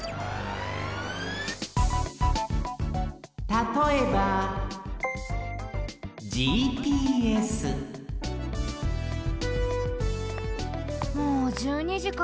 たとえばもう１２じか。